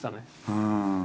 うん。